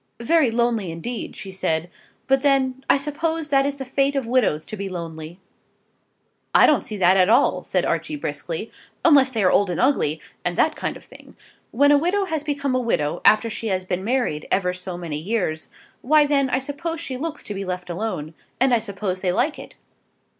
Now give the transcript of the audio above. "Very lonely indeed," she said; "but then I suppose that it is the fate of widows to be lonely." "I don't see that at all," said Archie, briskly; " unless they are old and ugly, and that kind of thing. When a widow has become a widow after she has been married ever so many years, why then I suppose she looks to be left alone; and I suppose they like it."